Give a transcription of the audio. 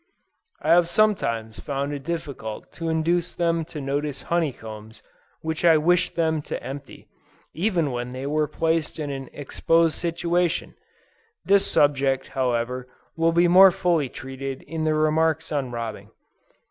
I have sometimes found it difficult to induce them to notice honey combs which I wished them to empty, even when they were placed in an exposed situation. This subject, however, will be more fully treated in the remarks on Robbing.